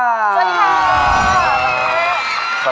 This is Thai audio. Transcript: สวัสดีค่ะสวัสดีครับสวัสดีครับสวัสดีครับ